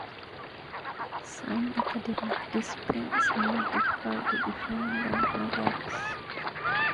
Some academic disciplines are more difficult to define than others.